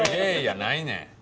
やないねん。